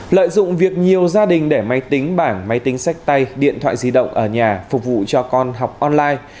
lợi dụng việc nhiều gia đình để máy tính bảng máy tính sách tay điện thoại di động ở nhà phục vụ cho con học online